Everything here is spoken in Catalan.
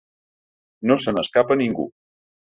No se n’escapa ningú.